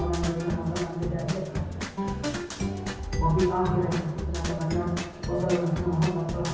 nanti juga tumpang yang dihitungnya maksa kilodok yang mendalam